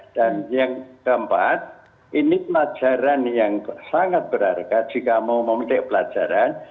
dan yang keempat ini pelajaran yang sangat berharga jika mau memetik pelajaran